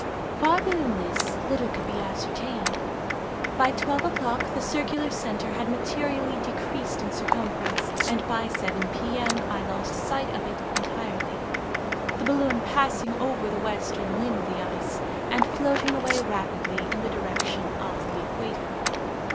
Farther than this, little could be ascertained. By twelve o'clock the circular centre had materially decreased in circumference, and by seven P.M. I lost sight of it entirely; the balloon passing over the western limb of the ice, and floating away rapidly in the direction of the equator.